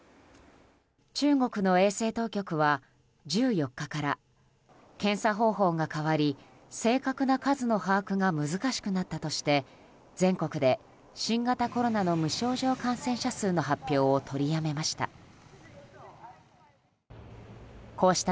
中国の衛生当局は１４日から検査方法が変わり、正確な数の把握が難しくなったとして全国で新型コロナの無症状感染者数の発表を取りやめました。